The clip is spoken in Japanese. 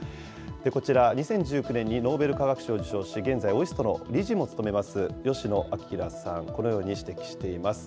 こちら、２０１９年にノーベル化学賞を受賞し、現在ＯＩＳＴの理事も務めます吉野彰さん、このように指摘しています。